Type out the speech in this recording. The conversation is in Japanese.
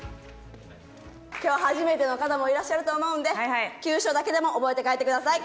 今日初めての方もいらっしゃると思うので急所だけでも覚えて帰ってください。